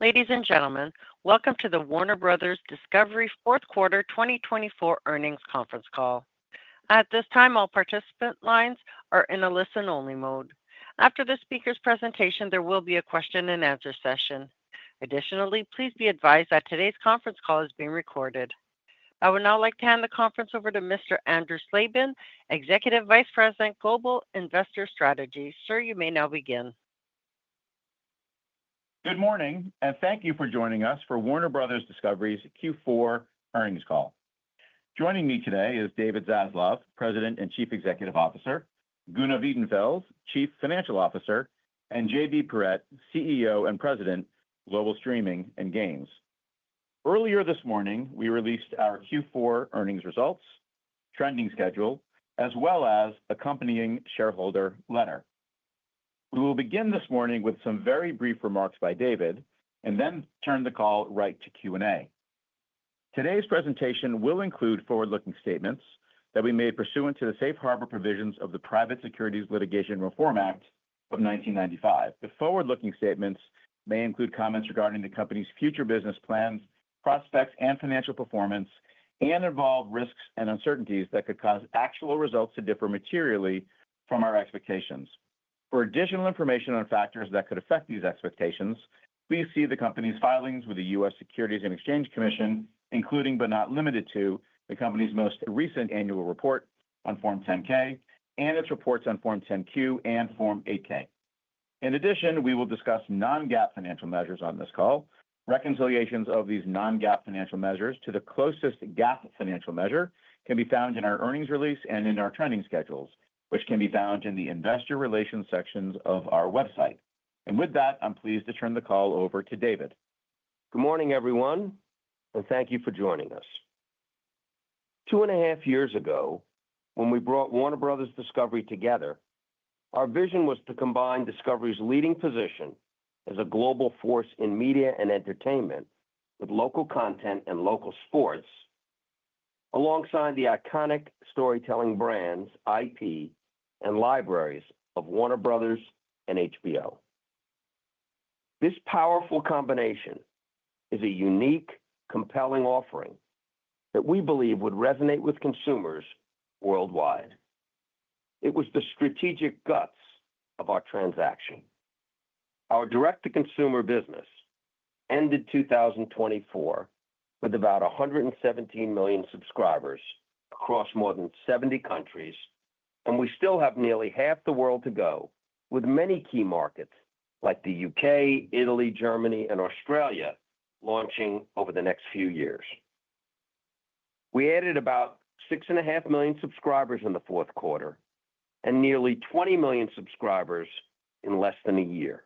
Ladies and gentlemen, welcome to the Warner Bros. Discovery Q4 2024 earnings conference call. At this time, all participant lines are in a listen-only mode. After the speaker's presentation, there will be a question-and-answer session. Additionally, please be advised that today's conference call is being recorded. I would now like to hand the conference over to Mr. Andrew Slabin, Executive Vice President, Global Investor Strategy. Sir, you may now begin. Good morning, and thank you for joining us for Warner Bros. Discovery's Q4 earnings call. Joining me today is David Zaslav, President and Chief Executive Officer, Gunnar Wiedenfels, Chief Financial Officer, and JB Perrette, CEO and President, Global Streaming and Games. Earlier this morning, we released our Q4 earnings results, Trending Schedules, as well as accompanying shareholder letter. We will begin this morning with some very brief remarks by David and then turn the call right to Q&A. Today's presentation will include forward-looking statements that we made pursuant to the safe harbor provisions of the Private Securities Litigation Reform Act of 1995. The forward-looking statements may include comments regarding the company's future business plans, prospects, and financial performance, and involve risks and uncertainties that could cause actual results to differ materially from our expectations. For additional information on factors that could affect these expectations, please see the company's filings with the U.S. Securities and Exchange Commission, including but not limited to the company's most recent annual report on Form 10-K and its reports on Form 10-Q and Form 8-K. In addition, we will discuss non-GAAP financial measures on this call. Reconciliations of these non-GAAP financial measures to the closest GAAP financial measure can be found in our earnings release and in our trending schedules, which can be found in the Investor Relations sections of our website. And with that, I'm pleased to turn the call over to David. Good morning, everyone, and thank you for joining us. Two and a half years ago, when we brought Warner Bros. Discovery together, our vision was to combine Discovery's leading position as a global force in media and entertainment with local content and local sports, alongside the iconic storytelling brands, IP, and libraries of Warner Bros. and HBO. This powerful combination is a unique, compelling offering that we believe would resonate with consumers worldwide. It was the strategic guts of our transaction. Our direct-to-consumer business ended 2024 with about 117 million subscribers across more than 70 countries, and we still have nearly half the world to go, with many key markets like the U.K., Italy, Germany, and Australia launching over the next few years. We added about 6.5 million subscribers in the fourth quarter and nearly 20 million subscribers in less than a year.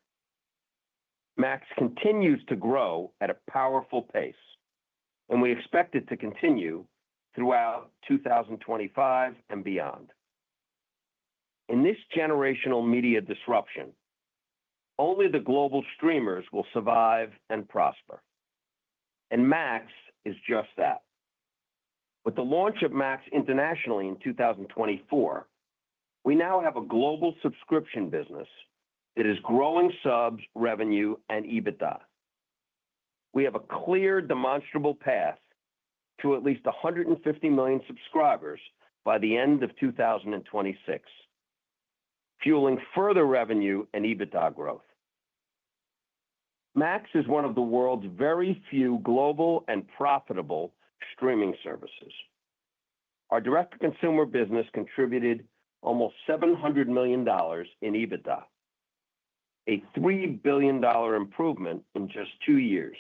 Max continues to grow at a powerful pace, and we expect it to continue throughout 2025 and beyond. In this generational media disruption, only the global streamers will survive and prosper, and Max is just that. With the launch of Max internationally in 2024, we now have a global subscription business that is growing subs, revenue, and EBITDA. We have a clear, demonstrable path to at least 150 million subscribers by the end of 2026, fueling further revenue and EBITDA growth. Max is one of the world's very few global and profitable streaming services. Our direct-to-consumer business contributed almost $700 million in EBITDA, a $3 billion improvement in just two years,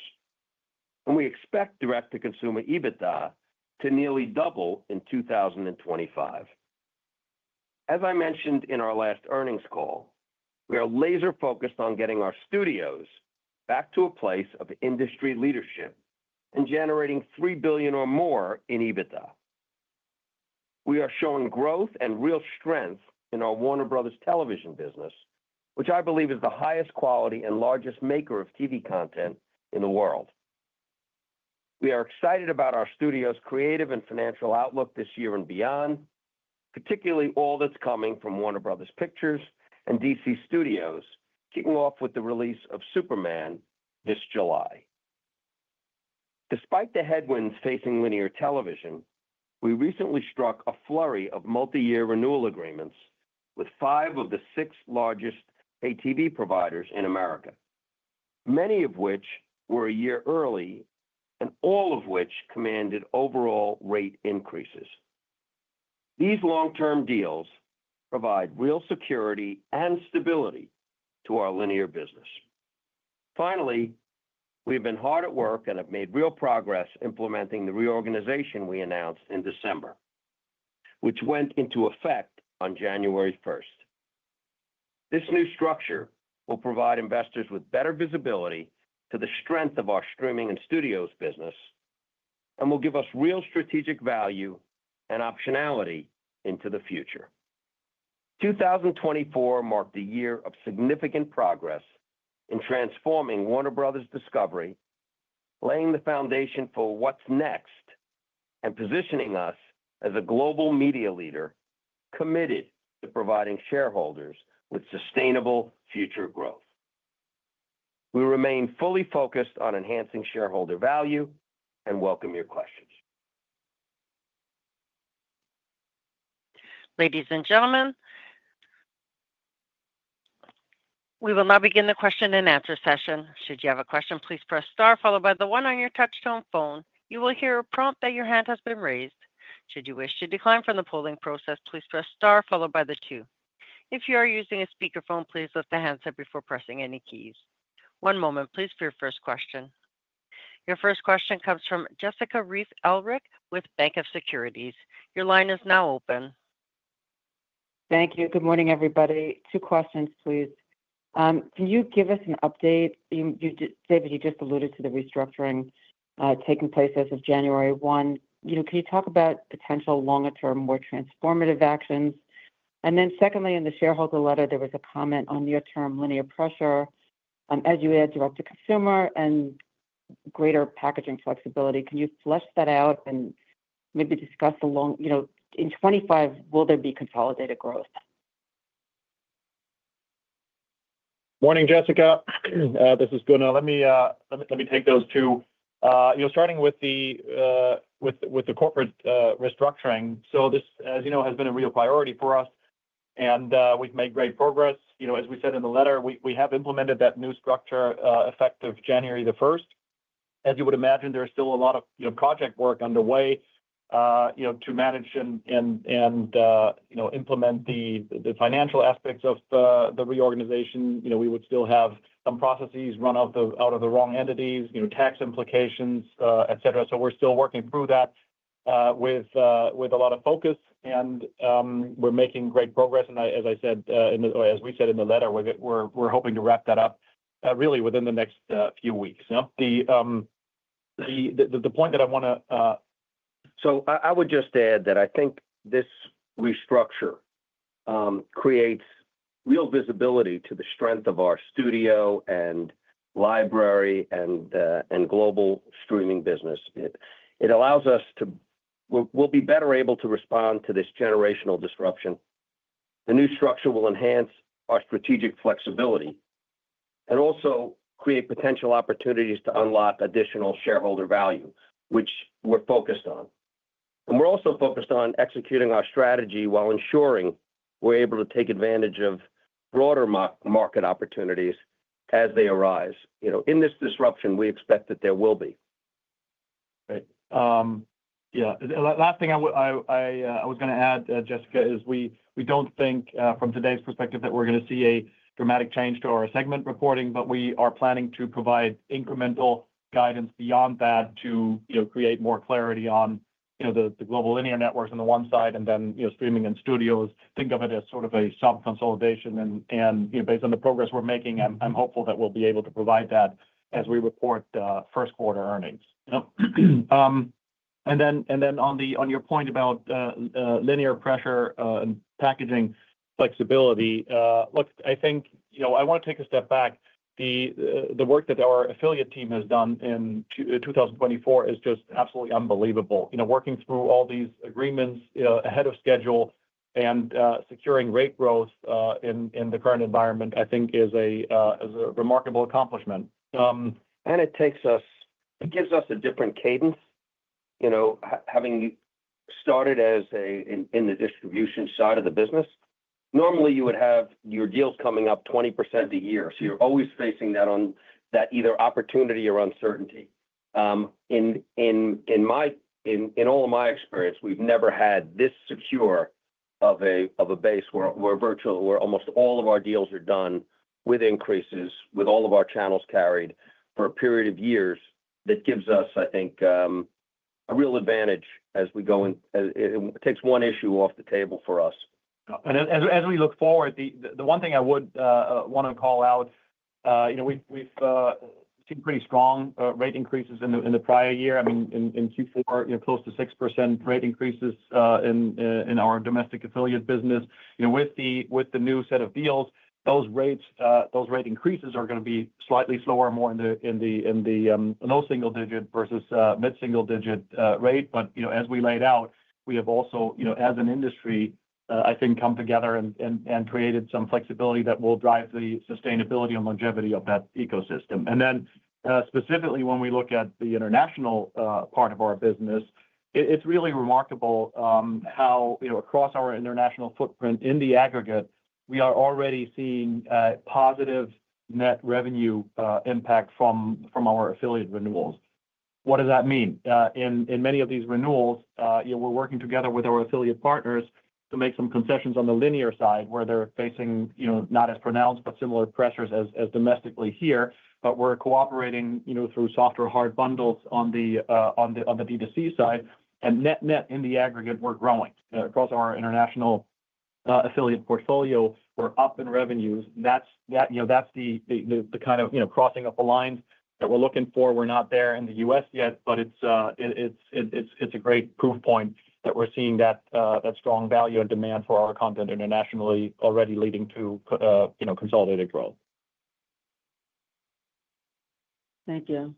and we expect direct-to-consumer EBITDA to nearly double in 2025. As I mentioned in our last earnings call, we are laser-focused on getting our studios back to a place of industry leadership and generating $3 billion or more in EBITDA. We are showing growth and real strength in our Warner Bros. Television business, which I believe is the highest quality and largest maker of TV content in the world. We are excited about our studio's creative and financial outlook this year and beyond, particularly all that's coming from Warner Bros. Pictures and DC Studios, kicking off with the release of Superman this July. Despite the headwinds facing linear television, we recently struck a flurry of multi-year renewal agreements with five of the six largest pay-TV providers in America, many of which were a year early and all of which commanded overall rate increases. These long-term deals provide real security and stability to our linear business. Finally, we have been hard at work and have made real progress implementing the reorganization we announced in December, which went into effect on January 1st. This new structure will provide investors with better visibility to the strength of our streaming and studios business and will give us real strategic value and optionality into the future. 2024 marked a year of significant progress in transforming Warner Bros. Discovery, laying the foundation for what's next, and positioning us as a global media leader committed to providing shareholders with sustainable future growth. We remain fully focused on enhancing shareholder value and welcome your questions. Ladies and gentlemen, we will now begin the question-and-answer session. Should you have a question, please press Star, followed by the one on your touch-tone phone. You will hear a prompt that your hand has been raised. Should you wish to decline from the polling process, please press Star, followed by the two. If you are using a speakerphone, please lift the hands up before pressing any keys. One moment, please, for your first question. Your first question comes from Jessica Reif Ehrlich with Bank of America Securities. Your line is now open. Thank you. Good morning, everybody. Two questions, please. Can you give us an update? David, you just alluded to the restructuring taking place as of January 1. Can you talk about potential longer-term, more transformative actions? And then secondly, in the shareholder letter, there was a comment on near-term linear pressure as you add direct-to-consumer and greater packaging flexibility. Can you flesh that out and maybe discuss the long in 2025, will there be consolidated growth? Morning, Jessica. This is Gunnar. Let me take those two. Starting with the corporate restructuring, so this, as you know, has been a real priority for us, and we've made great progress. As we said in the letter, we have implemented that new structure effective January 1st. As you would imagine, there is still a lot of project work underway to manage and implement the financial aspects of the reorganization. We would still have some processes run out of the wrong entities, tax implications, et cetera. We're still working through that with a lot of focus, and we're making great progress. As I said, or as we said in the letter, we're hoping to wrap that up really within the next few weeks. The point that I want to. So I would just add that I think this restructure creates real visibility to the strength of our studio and library and global streaming business. It allows us to. We'll be better able to respond to this generational disruption. The new structure will enhance our strategic flexibility and also create potential opportunities to unlock additional shareholder value, which we're focused on. And we're also focused on executing our strategy while ensuring we're able to take advantage of broader market opportunities as they arise. In this disruption, we expect that there will be. Great. Yeah. Last thing I was going to add, Jessica, is we don't think, from today's perspective, that we're going to see a dramatic change to our segment reporting, but we are planning to provide incremental guidance beyond that to create more clarity on the global linear networks on the one side and then streaming and studios. Think of it as sort of a sub-consolidation, and based on the progress we're making, I'm hopeful that we'll be able to provide that as we report first-quarter earnings, and then on your point about linear pressure and packaging flexibility, look, I think I want to take a step back. The work that our affiliate team has done in 2024 is just absolutely unbelievable. Working through all these agreements ahead of schedule and securing rate growth in the current environment, I think, is a remarkable accomplishment. It gives us a different cadence. Having started as in the distribution side of the business, normally you would have your deals coming up 20% a year. You're always facing that either opportunity or uncertainty. In all of my experience, we've never had this secure of a base where virtually almost all of our deals are done with increases, with all of our channels carried for a period of years. That gives us, I think, a real advantage as we go and takes one issue off the table for us. As we look forward, the one thing I would want to call out, we've seen pretty strong rate increases in the prior year. I mean, in Q4, close to 6% rate increases in our domestic affiliate business. With the new set of deals, those rate increases are going to be slightly slower, more in the low single-digit % versus mid-single-digit % rate. But as we laid out, we have also, as an industry, I think, come together and created some flexibility that will drive the sustainability and longevity of that ecosystem. And then specifically, when we look at the international part of our business, it's really remarkable how across our international footprint in the aggregate, we are already seeing positive net revenue impact from our affiliate renewals. What does that mean? In many of these renewals, we're working together with our affiliate partners to make some concessions on the linear side where they're facing not as pronounced, but similar pressures as domestically here. But we're cooperating through soft and hard bundles on the B2C side. And net-net in the aggregate, we're growing. Across our international affiliate portfolio, we're up in revenues. That's the kind of crossing of the lines that we're looking for. We're not there in the U.S. yet, but it's a great proof point that we're seeing that strong value and demand for our content internationally already leading to consolidated growth. Thank you.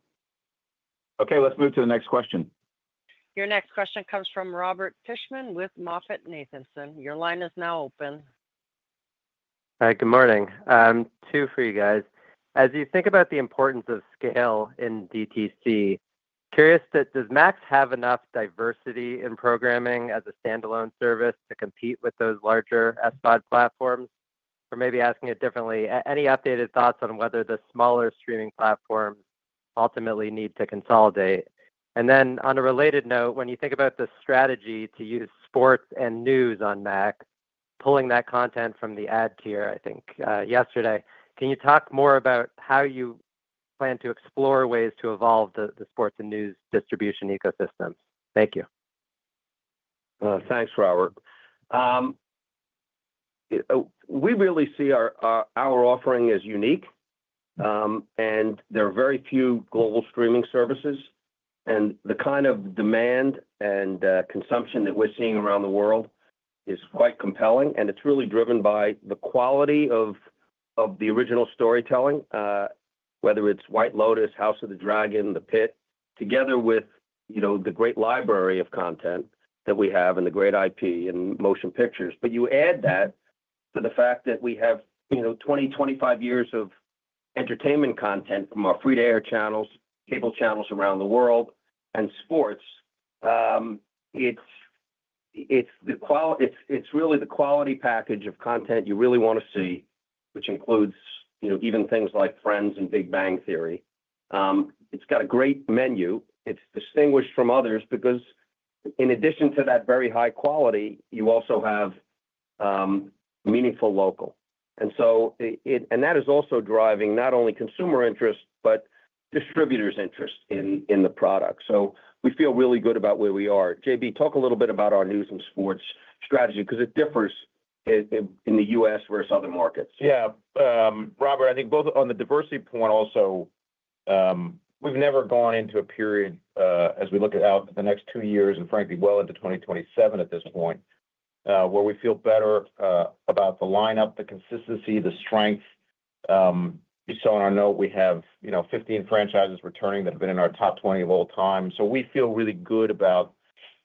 Okay. Let's move to the next question. Your next question comes from Robert Fishman with MoffettNathanson. Your line is now open. Hi. Good morning. Two for you guys. As you think about the importance of scale in DTC, curious that does Max have enough diversity in programming as a standalone service to compete with those larger SVOD platforms? Or maybe asking it differently, any updated thoughts on whether the smaller streaming platforms ultimately need to consolidate? And then on a related note, when you think about the strategy to use sports and news on Max, pulling that content from the ad tier, I think, yesterday, can you talk more about how you plan to explore ways to evolve the sports and news distribution ecosystems? Thank you. Thanks, Robert. We really see our offering is unique, and there are very few global streaming services. The kind of demand and consumption that we're seeing around the world is quite compelling, and it's really driven by the quality of the original storytelling, whether it's White Lotus, House of the Dragon, The Penguin, together with the great library of content that we have and the great IP and motion pictures. You add that to the fact that we have 20-25 years of entertainment content from our free-to-air channels, cable channels around the world, and sports. It's really the quality package of content you really want to see, which includes even things like Friends and Big Bang Theory. It's got a great menu. It's distinguished from others because in addition to that very high quality, you also have meaningful local. And that is also driving not only consumer interest, but distributors' interest in the product. So we feel really good about where we are. JB, talk a little bit about our news and sports strategy because it differs in the U.S. versus other markets. Yeah. Robert, I think both on the diversity point also, we've never gone into a period as we look out the next two years and frankly, well into 2027 at this point where we feel better about the lineup, the consistency, the strength. You saw on our note, we have 15 franchises returning that have been in our top 20 of all time. So we feel really good about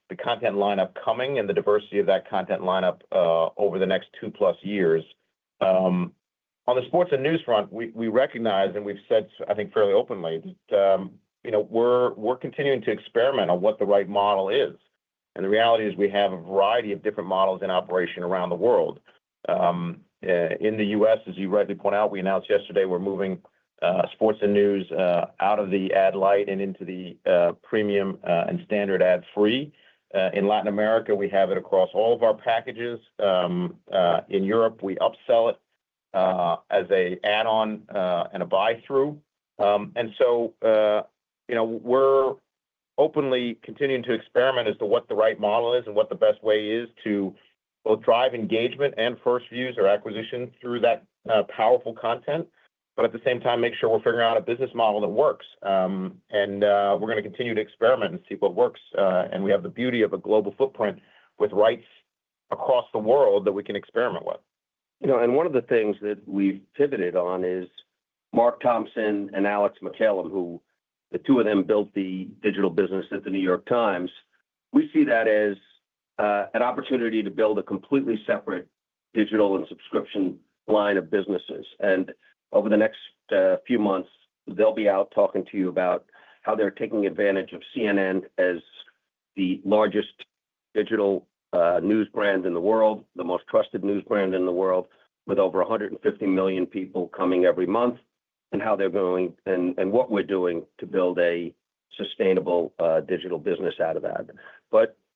the content lineup coming and the diversity of that content lineup over the next two-plus years. On the sports and news front, we recognize and we've said, I think, fairly openly that we're continuing to experiment on what the right model is. And the reality is we have a variety of different models in operation around the world. In the U.S., as you rightly point out, we announced yesterday we're moving sports and news out of the Ad-Lite and into the Premium and Standard Ad-Free. In Latin America, we have it across all of our packages. In Europe, we upsell it as an add-on and a buy-through. And so we're openly continuing to experiment as to what the right model is and what the best way is to both drive engagement and first views or acquisition through that powerful content, but at the same time, make sure we're figuring out a business model that works. And we're going to continue to experiment and see what works. And we have the beauty of a global footprint with rights across the world that we can experiment with. One of the things that we've pivoted on is Mark Thompson and Alex MacCallum, who the two of them built the digital business at The New York Times. We see that as an opportunity to build a completely separate digital and subscription line of businesses. Over the next few months, they'll be out talking to you about how they're taking advantage of CNN as the largest digital news brand in the world, the most trusted news brand in the world, with over 150 million people coming every month, and how they're going and what we're doing to build a sustainable digital business out of that.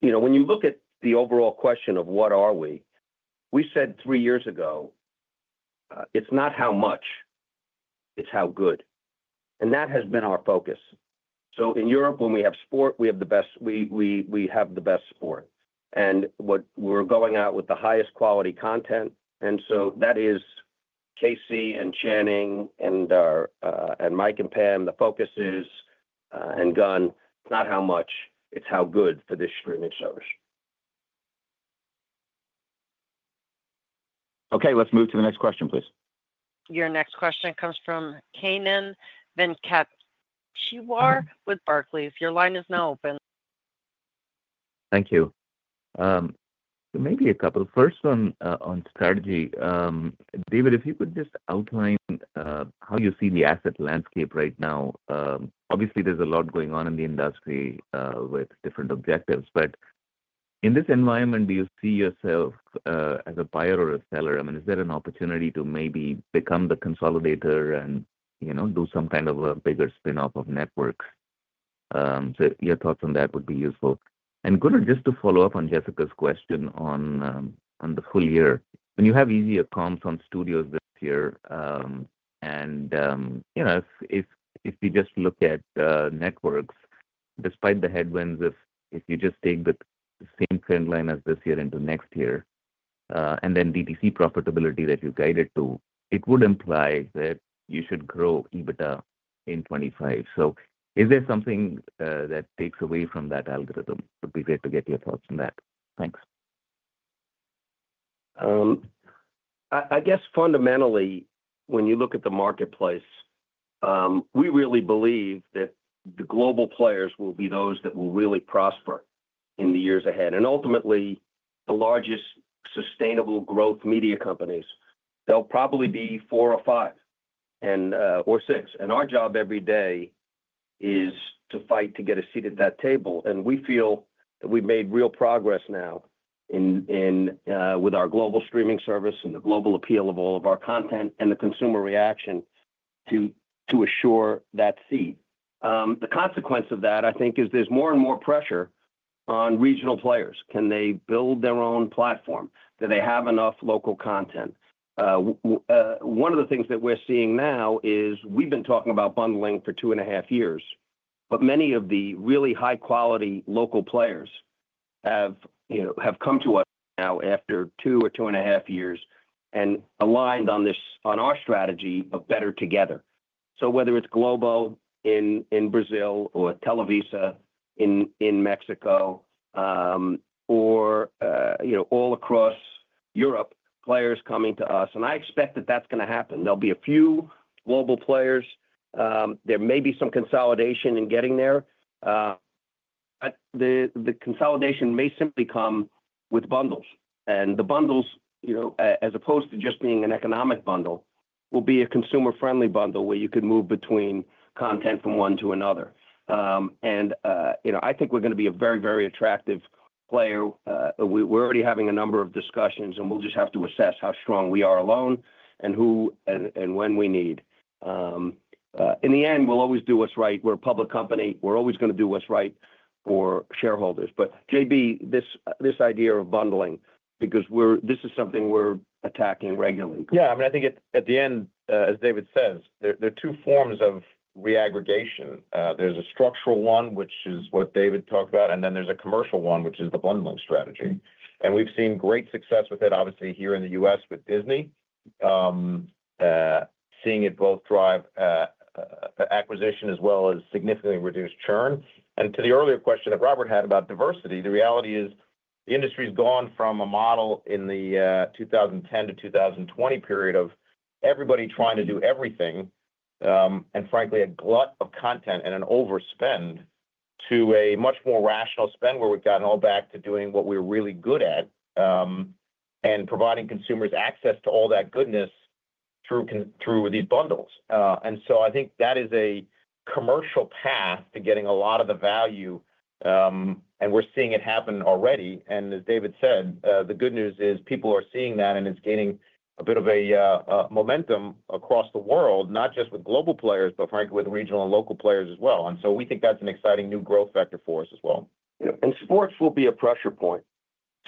When you look at the overall question of what are we, we said three years ago, it's not how much, it's how good. That has been our focus. So in Europe, when we have sport, we have the best sport. And we're going out with the highest quality content. And so that is Casey and Channing and Mike and Pam, the focus is and Gunn, it's not how much, it's how good for this streaming service. Okay. Let's move to the next question, please. Your next question comes from Kannan Venkateshwar with Barclays. Your line is now open. Thank you. Maybe a couple of first one on strategy. David, if you could just outline how you see the asset landscape right now. Obviously, there's a lot going on in the industry with different objectives. But in this environment, do you see yourself as a buyer or a seller? I mean, is there an opportunity to maybe become the consolidator and do some kind of a bigger spin-off of Networks? So your thoughts on that would be useful. And Gunnar, just to follow up on Jessica's question on the full year, when you have easier comps on studios this year, and if we just look at Networks, despite the headwinds, if you just take the same trend line as this year into next year, and then DTC profitability that you guided to, it would imply that you should grow EBITDA in 2025. So is there something that takes away from that algorithm? It would be great to get your thoughts on that. Thanks. I guess fundamentally, when you look at the marketplace, we really believe that the global players will be those that will really prosper in the years ahead. And ultimately, the largest sustainable growth media companies, they'll probably be four or five or six. And our job every day is to fight to get a seat at that table. And we feel that we've made real progress now with our global streaming service and the global appeal of all of our content and the consumer reaction to assure that seat. The consequence of that, I think, is there's more and more pressure on regional players. Can they build their own platform? Do they have enough local content? One of the things that we're seeing now is we've been talking about bundling for two and a half years, but many of the really high-quality local players have come to us now after two or two and a half years and aligned on our strategy of better together. So whether it's Globo in Brazil or Televisa in Mexico or all across Europe, players coming to us. And I expect that that's going to happen. There'll be a few global players. There may be some consolidation in getting there. But the consolidation may simply come with bundles. And the bundles, as opposed to just being an economic bundle, will be a consumer-friendly bundle where you can move between content from one to another. And I think we're going to be a very, very attractive player. We're already having a number of discussions, and we'll just have to assess how strong we are alone and who and when we need. In the end, we'll always do what's right. We're a public company. We're always going to do what's right for shareholders. But JB, this idea of bundling, because this is something we're attacking regularly. Yeah. I mean, I think at the end, as David says, there are two forms of re-aggregation. There's a structural one, which is what David talked about, and then there's a commercial one, which is the bundling strategy, and we've seen great success with it, obviously, here in the U.S. with Disney, seeing it both drive acquisition as well as significantly reduce churn, and to the earlier question that Robert had about diversity, the reality is the industry's gone from a model in the 2010 to 2020 period of everybody trying to do everything and frankly, a glut of content and an overspend to a much more rational spend where we've gotten all back to doing what we're really good at and providing consumers access to all that goodness through these bundles. And so I think that is a commercial path to getting a lot of the value, and we're seeing it happen already. And as David said, the good news is people are seeing that, and it's gaining a bit of a momentum across the world, not just with global players, but frankly, with regional and local players as well. And so we think that's an exciting new growth factor for us as well. Sports will be a pressure point.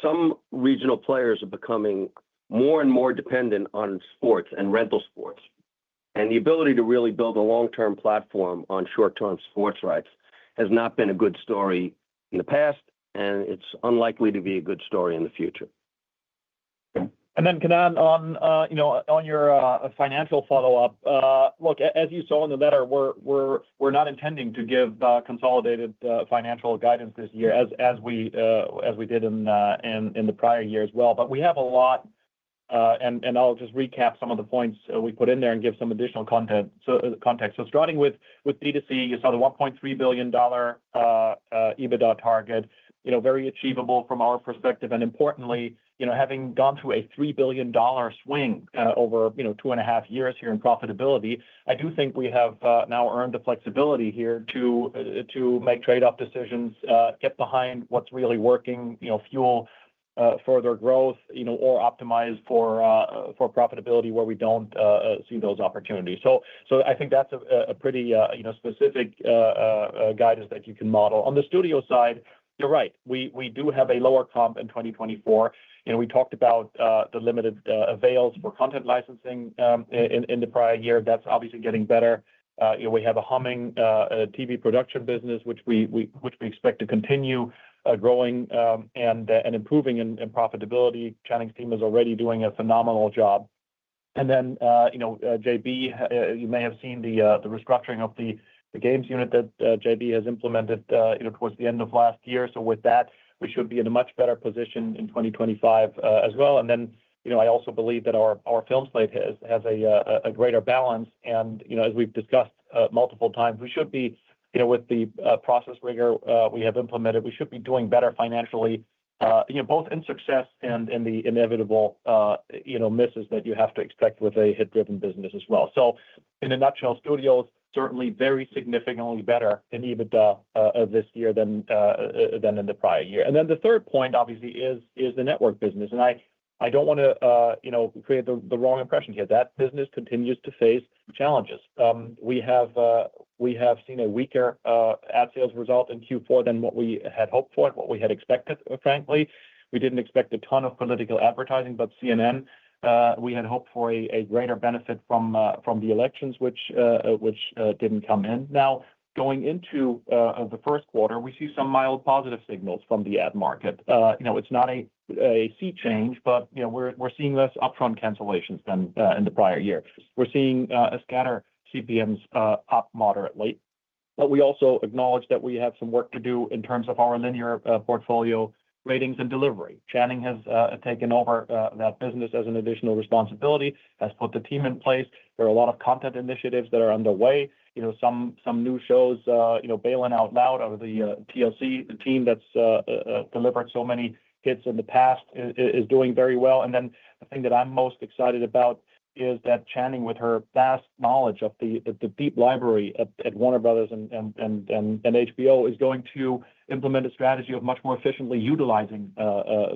Some regional players are becoming more and more dependent on sports and rental sports. The ability to really build a long-term platform on short-term sports rights has not been a good story in the past, and it's unlikely to be a good story in the future. Then Kannan, on your financial follow-up, look, as you saw in the letter, we're not intending to give consolidated financial guidance this year as we did in the prior year as well. But we have a lot, and I'll just recap some of the points we put in there and give some additional context. Starting with DTC, you saw the $1.3 billion EBITDA target, very achievable from our perspective. Importantly, having gone through a $3 billion swing over two and a half years here in profitability, I do think we have now earned the flexibility here to make trade-off decisions, get behind what's really working, fuel further growth, or optimize for profitability where we don't see those opportunities. I think that's a pretty specific guidance that you can model. On the studio side, you're right. We do have a lower comp in 2024. We talked about the limited avails for content licensing in the prior year. That's obviously getting better. We have a humming TV production business, which we expect to continue growing and improving in profitability. Channing's team is already doing a phenomenal job, and then JB, you may have seen the restructuring of the Games unit that JB has implemented towards the end of last year, so with that, we should be in a much better position in 2025 as well, and then I also believe that our film slate has a greater balance, and as we've discussed multiple times, we should be with the process rigor we have implemented, we should be doing better financially, both in success and in the inevitable misses that you have to expect with a hit-driven business as well. So in a nutshell, studios certainly very significantly better in EBITDA this year than in the prior year. And then the third point, obviously, is the network business. And I don't want to create the wrong impression here. That business continues to face challenges. We have seen a weaker ad sales result in Q4 than what we had hoped for and what we had expected, frankly. We didn't expect a ton of political advertising, but CNN, we had hoped for a greater benefit from the elections, which didn't come in. Now, going into the first quarter, we see some mild positive signals from the ad market. It's not a sea change, but we're seeing less upfront cancellations than in the prior year. We're seeing a scatter CPMs up moderately. But we also acknowledge that we have some work to do in terms of our linear portfolio ratings and delivery. Channing has taken over that business as an additional responsibility, has put the team in place. There are a lot of content initiatives that are underway. Some new shows, Baylen Out Loud out of the TLC team that's delivered so many hits in the past is doing very well, and then the thing that I'm most excited about is that Channing, with her vast knowledge of the deep library at Warner Bros. and HBO, is going to implement a strategy of much more efficiently utilizing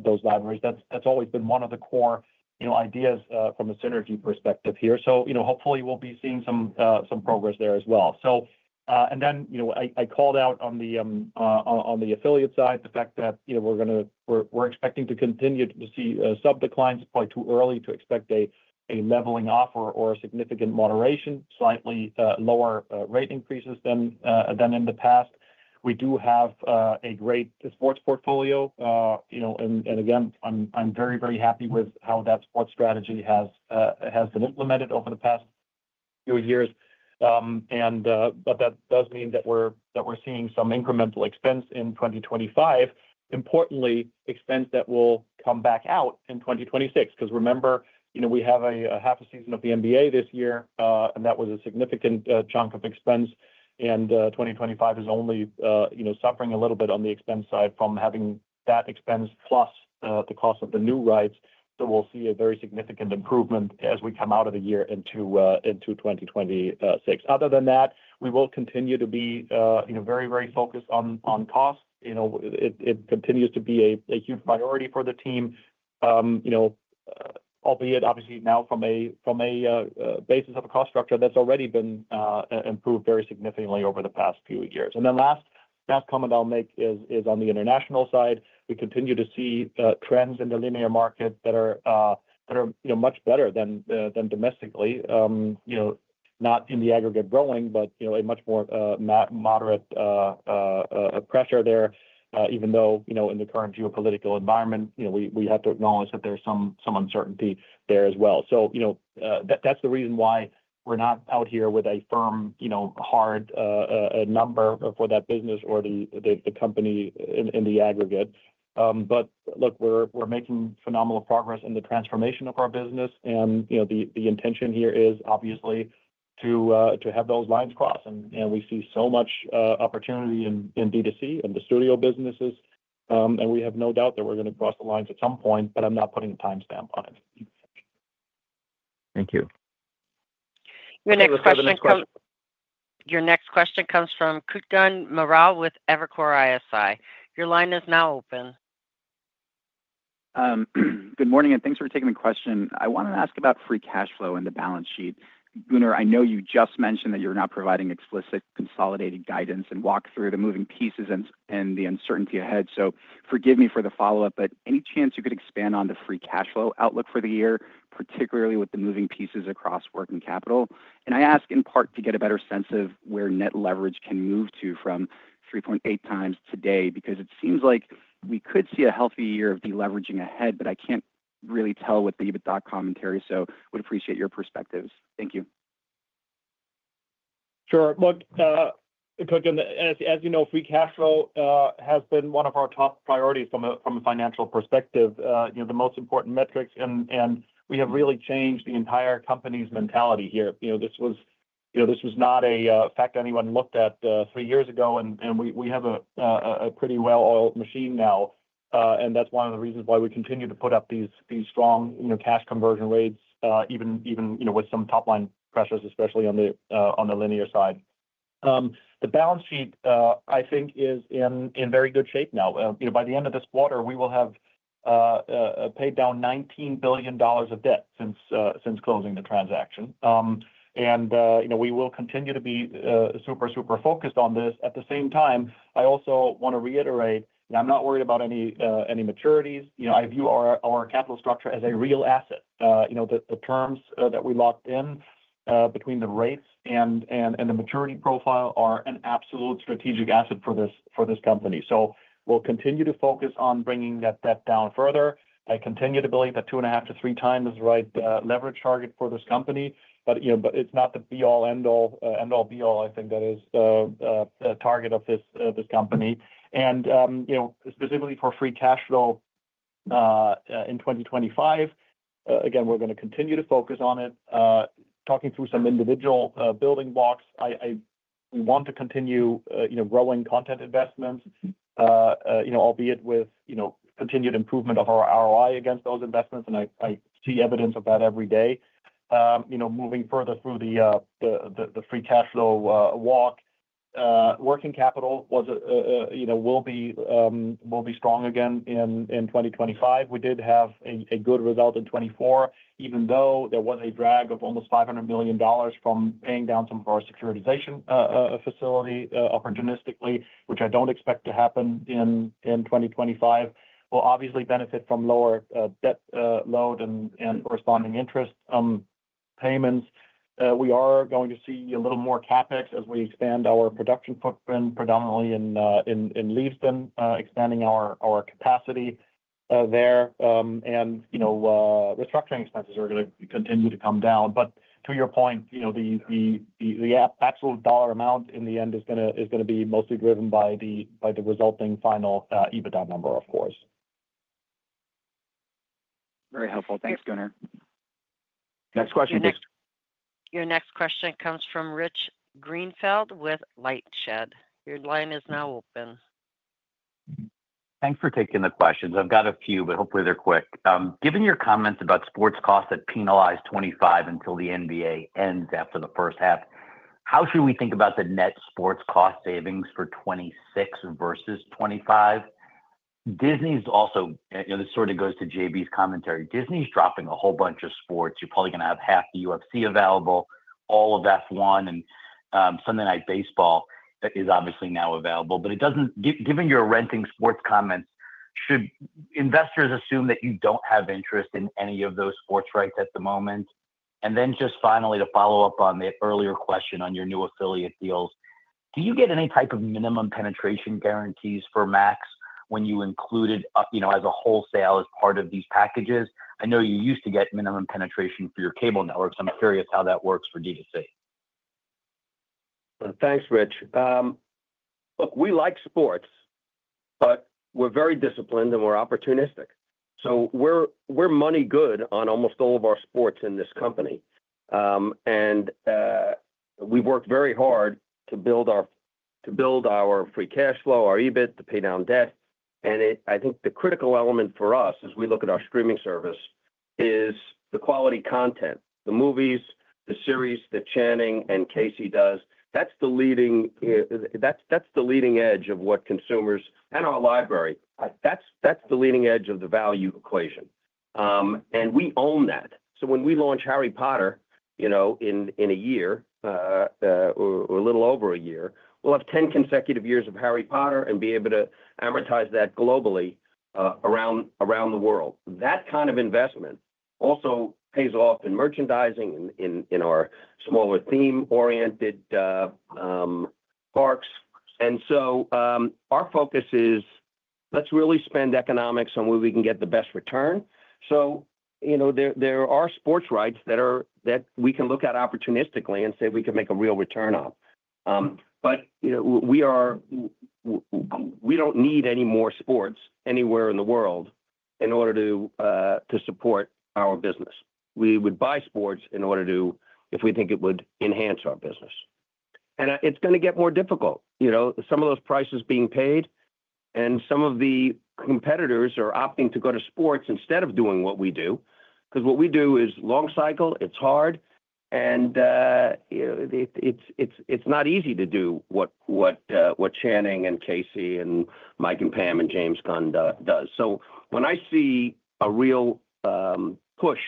those libraries. That's always been one of the core ideas from a synergy perspective here, so hopefully, we'll be seeing some progress there as well, and then I called out on the affiliate side, the fact that we're expecting to continue to see sub declines. It's probably too early to expect a leveling off or a significant moderation, slightly lower rate increases than in the past. We do have a great sports portfolio. And again, I'm very, very happy with how that sports strategy has been implemented over the past few years. But that does mean that we're seeing some incremental expense in 2025, importantly, expense that will come back out in 2026. Because remember, we have a half a season of the NBA this year, and that was a significant chunk of expense. And 2025 is only suffering a little bit on the expense side from having that expense plus the cost of the new rights. So we'll see a very significant improvement as we come out of the year into 2026. Other than that, we will continue to be very, very focused on cost. It continues to be a huge priority for the team, albeit obviously now from a basis of a cost structure that's already been improved very significantly over the past few years, and then the last comment I'll make is on the international side. We continue to see trends in the linear market that are much better than domestically, not in the aggregate growing, but a much more moderate pressure there, even though in the current geopolitical environment, we have to acknowledge that there's some uncertainty there as well, so that's the reason why we're not out here with a firm, hard number for that business or the company in the aggregate, but look, we're making phenomenal progress in the transformation of our business, and the intention here is obviously to have those lines cross, and we see so much opportunity in DTC and the studio businesses. We have no doubt that we're going to cross the lines at some point, but I'm not putting a timestamp on it. Thank you. Your next question comes from Kutgun Maral with Evercore ISI. Your line is now open. Good morning, and thanks for taking the question. I want to ask about free cash flow and the balance sheet. Gunnar, I know you just mentioned that you're not providing explicit consolidated guidance and walkthrough to moving pieces and the uncertainty ahead. So forgive me for the follow-up, but any chance you could expand on the free cash flow outlook for the year, particularly with the moving pieces across working capital? And I ask in part to get a better sense of where net leverage can move to from 3.8 times today, because it seems like we could see a healthy year of deleveraging ahead, but I can't really tell with the EBITDA commentary. So would appreciate your perspectives. Thank you. Sure. Look, as you know, free cash flow has been one of our top priorities from a financial perspective, the most important metrics, and we have really changed the entire company's mentality here. This was not a fact anyone looked at three years ago, and we have a pretty well-oiled machine now. And that's one of the reasons why we continue to put up these strong cash conversion rates, even with some top-line pressures, especially on the linear side. The balance sheet, I think, is in very good shape now. By the end of this quarter, we will have paid down $19 billion of debt since closing the transaction, and we will continue to be super, super focused on this. At the same time, I also want to reiterate, I'm not worried about any maturities. I view our capital structure as a real asset. The terms that we locked in between the rates and the maturity profile are an absolute strategic asset for this company, so we'll continue to focus on bringing that debt down further. I continue to believe that two and a half to three times is the right leverage target for this company, but it's not the be-all, end-all. I think that is the target of this company, and specifically for free cash flow in 2025, again, we're going to continue to focus on it. Talking through some individual building blocks, we want to continue growing content investments, albeit with continued improvement of our ROI against those investments, and I see evidence of that every day. Moving further through the free cash flow walk, working capital will be strong again in 2025. We did have a good result in 2024, even though there was a drag of almost $500 million from paying down some of our securitization facility opportunistically, which I don't expect to happen in 2025. We'll obviously benefit from lower debt load and corresponding interest payments. We are going to see a little more CapEx as we expand our production footprint, predominantly in Leavesden, expanding our capacity there, and restructuring expenses are going to continue to come down, but to your point, the actual dollar amount in the end is going to be mostly driven by the resulting final EBITDA number, of course. Very helpful. Thanks, Gunnar. Next question, please. Your next question comes from Rich Greenfield with LightShed. Your line is now open. Thanks for taking the questions. I've got a few, but hopefully they're quick. Given your comments about sports costs that penalize 2025 until the NBA ends after the first half, how should we think about the net sports cost savings for 2026 versus 2025? This sort of goes to JB's commentary. Disney's dropping a whole bunch of sports. You're probably going to have half the UFC available, all of F1, and something like baseball is obviously now available. But given your entering sports comments, should investors assume that you don't have interest in any of those sports rights at the moment? And then just finally, to follow up on the earlier question on your new affiliate deals, do you get any type of minimum penetration guarantees for Max when you include it as a wholesale as part of these packages? I know you used to get minimum penetration for your cable networks. I'm curious how that works for DTC? Thanks, Rich. Look, we like sports, but we're very disciplined and we're opportunistic. So we're money good on almost all of our sports in this company, and we've worked very hard to build our free cash flow, our EBITDA, to pay down debt, and I think the critical element for us, as we look at our streaming service, is the quality content, the movies, the series that Channing and Casey does. That's the leading edge of what consumers and our library. That's the leading edge of the value equation, and we own that. So when we launch Harry Potter in a year, a little over a year, we'll have 10 consecutive years of Harry Potter and be able to amortize that globally around the world. That kind of investment also pays off in merchandising, in our smaller theme-oriented parks. And so our focus is let's really spend economics on where we can get the best return. So there are sports rights that we can look at opportunistically and say we can make a real return on. But we don't need any more sports anywhere in the world in order to support our business. We would buy sports in order to, if we think it would enhance our business. And it's going to get more difficult. Some of those prices being paid and some of the competitors are opting to go to sports instead of doing what we do. Because what we do is long cycle, it's hard, and it's not easy to do what Channing and Casey and Mike and Pam and James Gunn does. When I see a real push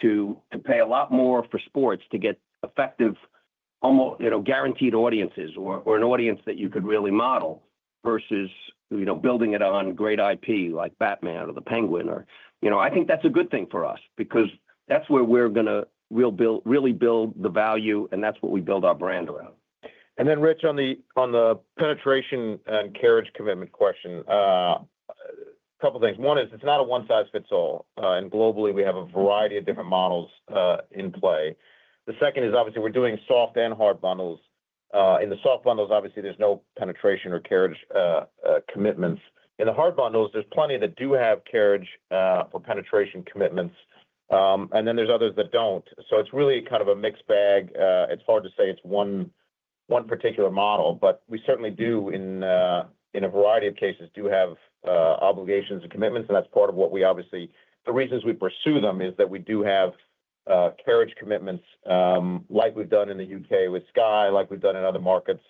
to pay a lot more for sports to get effective, guaranteed audiences or an audience that you could really model versus building it on great IP like Batman or The Penguin, I think that's a good thing for us because that's where we're going to really build the value, and that's what we build our brand around. And then, Rich, on the penetration and carriage commitment question, a couple of things. One is it's not a one-size-fits-all, and globally, we have a variety of different models in play. The second is obviously we're doing soft and hard bundles. In the soft bundles, obviously, there's no penetration or carriage commitments. In the hard bundles, there's plenty that do have carriage or penetration commitments, and then there's others that don't. So it's really kind of a mixed bag. It's hard to say it's one particular model, but we certainly do, in a variety of cases, do have obligations and commitments. That's part of what we obviously, the reasons we pursue them is that we do have carriage commitments like we've done in the U.K. with Sky, like we've done in other markets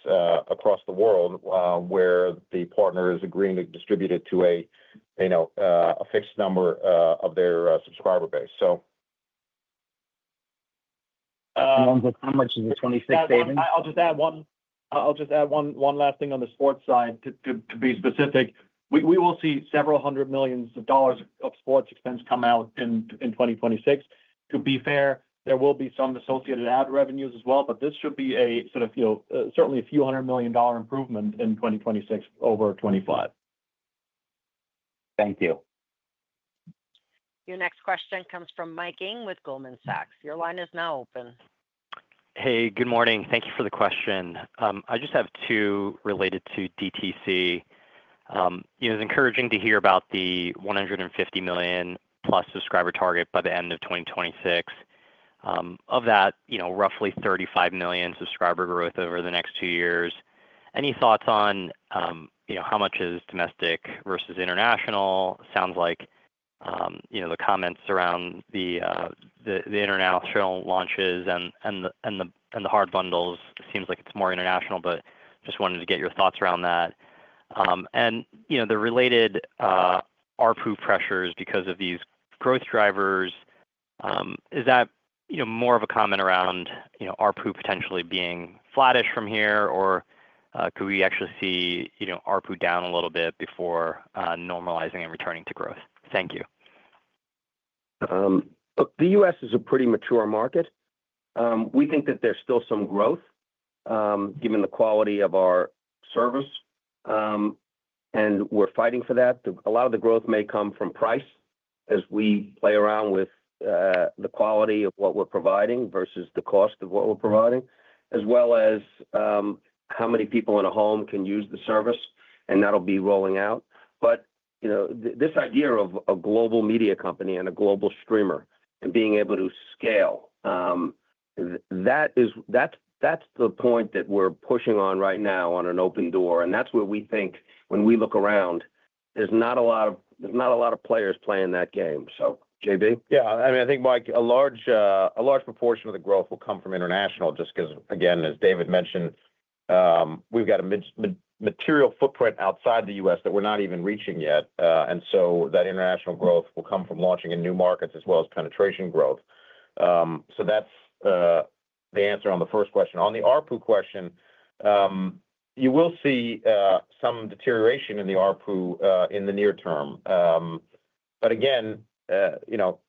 across the world where the partner is agreeing to distribute it to a fixed number of their subscriber base. So. Sounds like how much is the 2026 savings? I'll just add one last thing on the sports side. To be specific, we will see several hundred million dollars of sports expense come out in 2026. To be fair, there will be some associated ad revenues as well, but this should be a sort of certainly a few hundred million-dollar improvement in 2026 over 2025. Thank you. Your next question comes from Michael Ng with Goldman Sachs. Your line is now open. Hey, good morning. Thank you for the question. I just have two related to DTC. It was encouraging to hear about the 150 million-plus subscriber target by the end of 2026. Of that, roughly 35 million subscriber growth over the next two years. Any thoughts on how much is domestic versus international? Sounds like the comments around the international launches and the hard bundles seems like it's more international, but just wanted to get your thoughts around that, and the related ARPU pressures because of these growth drivers, is that more of a comment around ARPU potentially being flattish from here, or could we actually see ARPU down a little bit before normalizing and returning to growth? Thank you. Look, the U.S. is a pretty mature market. We think that there's still some growth given the quality of our service, and we're fighting for that. A lot of the growth may come from price as we play around with the quality of what we're providing versus the cost of what we're providing, as well as how many people in a home can use the service, and that'll be rolling out, but this idea of a global media company and a global streamer and being able to scale, that's the point that we're pushing on right now on an open door, and that's where we think, when we look around, there's not a lot of players playing that game. So, JB? Yeah. I mean, I think, Mike, a large proportion of the growth will come from international just because, again, as David mentioned, we've got a material footprint outside the U.S. that we're not even reaching yet. And so that international growth will come from launching in new markets as well as penetration growth. So that's the answer on the first question. On the ARPU question, you will see some deterioration in the ARPU in the near term. But again, at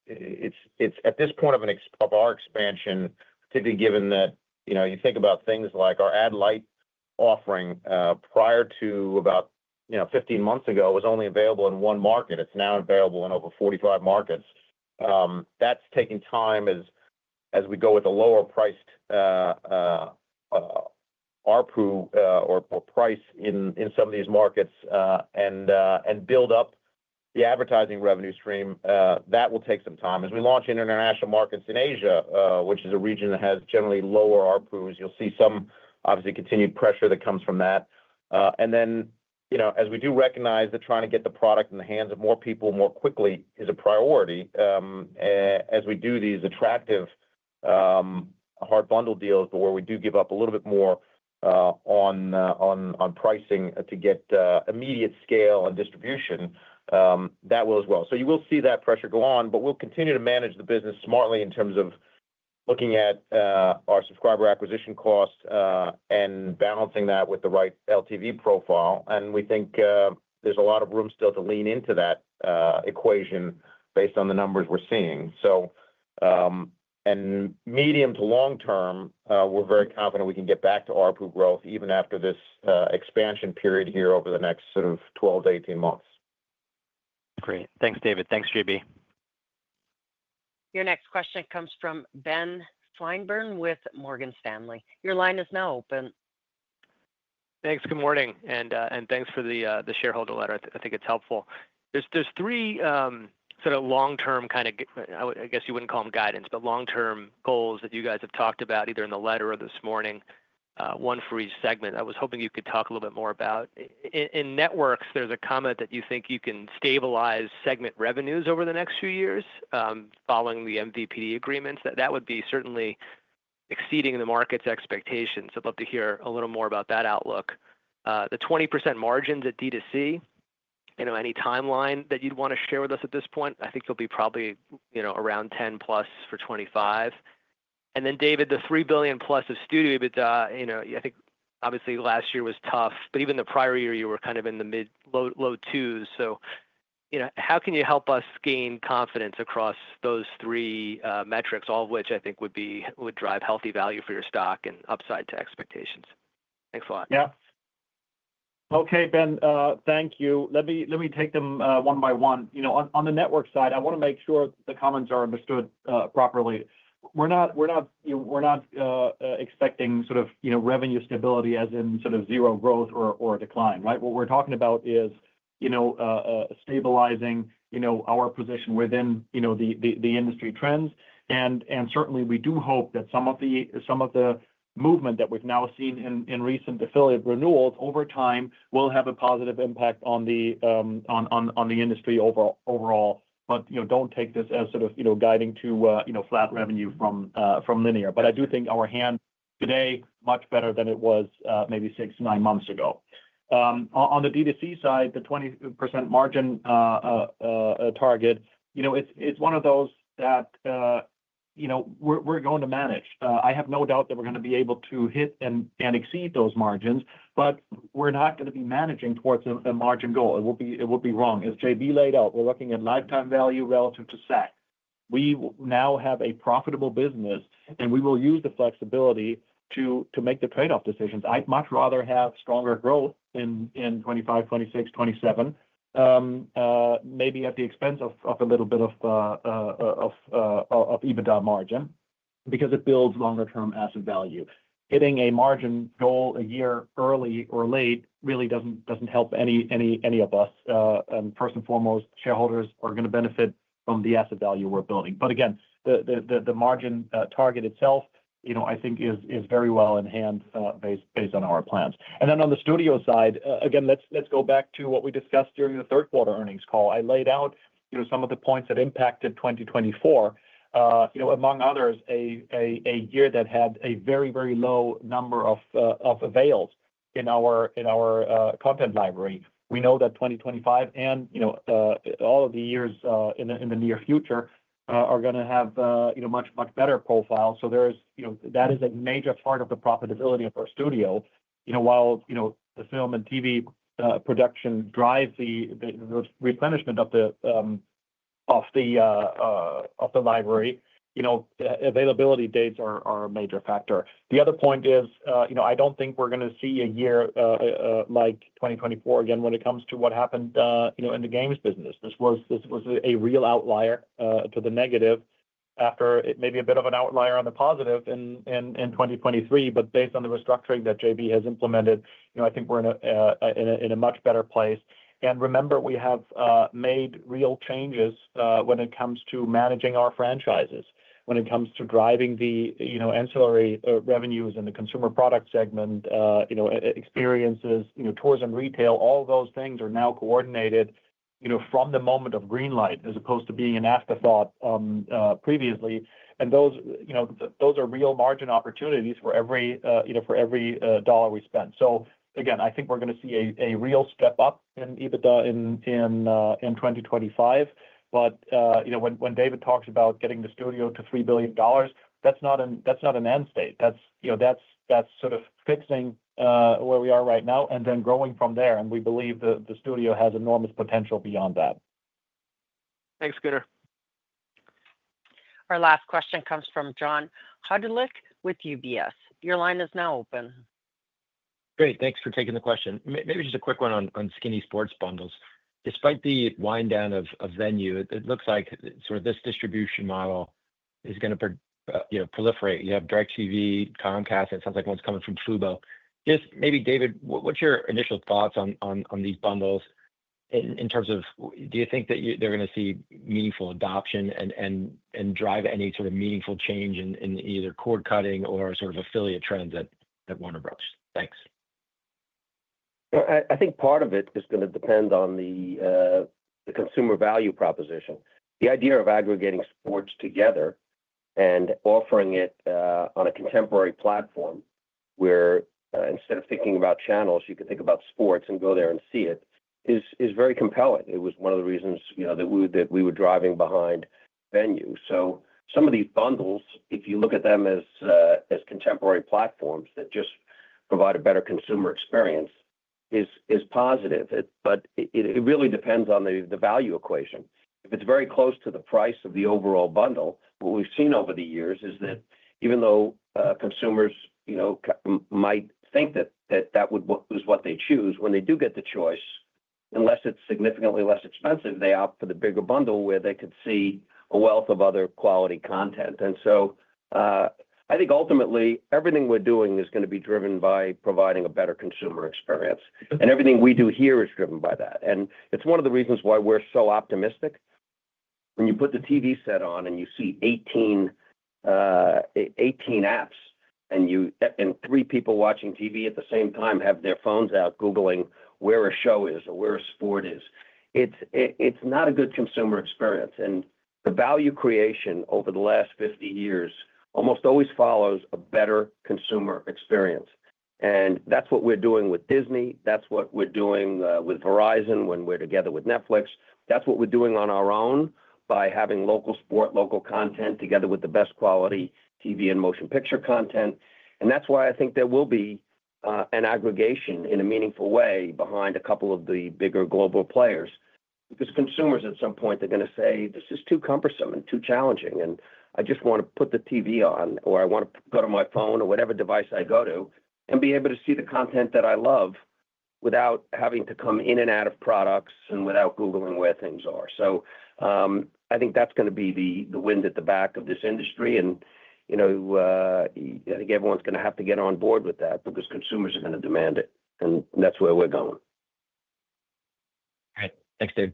this point of our expansion, particularly given that you think about things like our Ad-lite offering prior to about 15 months ago was only available in one market. It's now available in over 45 markets. That's taking time as we go with a lower-priced ARPU or price in some of these markets and build up the advertising revenue stream. That will take some time. As we launch international markets in Asia, which is a region that has generally lower ARPUs, you'll see some, obviously, continued pressure that comes from that, and then as we do recognize that trying to get the product in the hands of more people more quickly is a priority as we do these attractive hard bundle deals to where we do give up a little bit more on pricing to get immediate scale and distribution, that will as well, so you will see that pressure go on, but we'll continue to manage the business smartly in terms of looking at our subscriber acquisition cost and balancing that with the right LTV profile, and we think there's a lot of room still to lean into that equation based on the numbers we're seeing. Medium to long term, we're very confident we can get back to ARPU growth even after this expansion period here over the next sort of 12 to 18 months. Great. Thanks, David. Thanks, JB. Your next question comes from Ben Swinburne with Morgan Stanley. Your line is now open. Thanks. Good morning. And thanks for the shareholder letter. I think it's helpful. There's three sort of long-term kind of, I guess you wouldn't call them guidance, but long-term goals that you guys have talked about either in the letter or this morning, one for each segment. I was hoping you could talk a little bit more about. In networks, there's a comment that you think you can stabilize segment revenues over the next few years following the MVPD agreements. That would be certainly exceeding the market's expectations. I'd love to hear a little more about that outlook. The 20% margins at DTC, any timeline that you'd want to share with us at this point? I think it'll be probably around 10-plus for 2025. And then, David, the $3 billion-plus of studio EBITDA, I think obviously last year was tough, but even the prior year, you were kind of in the mid-low twos. So how can you help us gain confidence across those three metrics, all of which I think would drive healthy value for your stock and upside to expectations? Thanks a lot. Yeah. Okay, Ben, thank you. Let me take them one by one. On the network side, I want to make sure the comments are understood properly. We're not expecting sort of revenue stability as in sort of zero growth or decline, right? What we're talking about is stabilizing our position within the industry trends. And certainly, we do hope that some of the movement that we've now seen in recent affiliate renewals over time will have a positive impact on the industry overall. But don't take this as sort of guiding to flat revenue from linear. But I do think our hand today is much better than it was maybe six, nine months ago. On the DTC side, the 20% margin target, it's one of those that we're going to manage. I have no doubt that we're going to be able to hit and exceed those margins, but we're not going to be managing towards a margin goal. It would be wrong. As JB laid out, we're looking at lifetime value relative to SAC. We now have a profitable business, and we will use the flexibility to make the trade-off decisions. I'd much rather have stronger growth in 2025, 2026, 2027, maybe at the expense of a little bit of EBITDA margin because it builds longer-term asset value. Hitting a margin goal a year early or late really doesn't help any of us. And first and foremost, shareholders are going to benefit from the asset value we're building. But again, the margin target itself, I think, is very well in hand based on our plans. And then on the studio side, again, let's go back to what we discussed during the third-quarter earnings call. I laid out some of the points that impacted 2024. Among others, a year that had a very, very low number of avails in our content library. We know that 2025 and all of the years in the near future are going to have a much, much better profile. So that is a major part of the profitability of our studio. While the film and TV production drives the replenishment of the library, availability dates are a major factor. The other point is I don't think we're going to see a year like 2024 again when it comes to what happened in the games business. This was a real outlier to the negative. After it may be a bit of an outlier on the positive in 2023, but based on the restructuring that JB has implemented, I think we're in a much better place. And remember, we have made real changes when it comes to managing our franchises, when it comes to driving the ancillary revenues in the Consumer Products segment, experiences, tourism, retail, all those things are now coordinated from the moment of greenlight as opposed to being an afterthought previously. And those are real margin opportunities for every dollar we spend. So again, I think we're going to see a real step up in EBITDA in 2025. But when David talks about getting the studio to $3 billion, that's not an end state. That's sort of fixing where we are right now and then growing from there. We believe the studio has enormous potential beyond that. Thanks, Gunnar. Our last question comes from John Hodulik with UBS. Your line is now open. Great. Thanks for taking the question. Maybe just a quick one on skinny sports bundles. Despite the wind down of Venu, it looks like sort of this distribution model is going to proliferate. You have DirecTV, Comcast, and it sounds like one's coming from Fubo. Just maybe, David, what's your initial thoughts on these bundles in terms of do you think that they're going to see meaningful adoption and drive any sort of meaningful change in either cord cutting or sort of affiliate trends that Warner Bros.? Thanks. I think part of it is going to depend on the consumer value proposition. The idea of aggregating sports together and offering it on a contemporary platform where instead of thinking about channels, you could think about sports and go there and see it is very compelling. It was one of the reasons that we were driving behind Venu. So some of these bundles, if you look at them as contemporary platforms that just provide a better consumer experience, is positive. But it really depends on the value equation. If it's very close to the price of the overall bundle, what we've seen over the years is that even though consumers might think that that was what they choose, when they do get the choice, unless it's significantly less expensive, they opt for the bigger bundle where they could see a wealth of other quality content. And so I think ultimately, everything we're doing is going to be driven by providing a better consumer experience. And everything we do here is driven by that. And it's one of the reasons why we're so optimistic. When you put the TV set on and you see 18 apps and three people watching TV at the same time have their phones out Googling where a show is or where a sport is, it's not a good consumer experience. And the value creation over the last 50 years almost always follows a better consumer experience. And that's what we're doing with Disney. That's what we're doing with Verizon when we're together with Netflix. That's what we're doing on our own by having local sport, local content together with the best quality TV and motion picture content. That's why I think there will be an aggregation in a meaningful way behind a couple of the bigger global players because consumers at some point, they're going to say, "This is too cumbersome and too challenging. And I just want to put the TV on or I want to go to my phone or whatever device I go to and be able to see the content that I love without having to come in and out of products and without Googling where things are," so I think that's going to be the wind at the back of this industry, and I think everyone's going to have to get on board with that because consumers are going to demand it, and that's where we're going. All right. Thanks, David.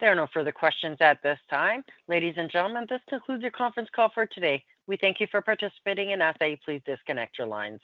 There are no further questions at this time. Ladies and gentlemen, this concludes your conference call for today. We thank you for participating and ask that you please disconnect your lines.